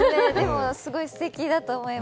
すごいすてきだと思います。